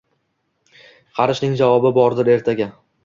Har ishning javobi bordir ertaga